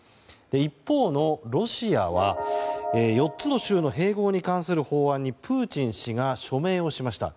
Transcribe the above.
一方のロシアは４つの州の併合に関する法案にプーチン氏が署名をしました。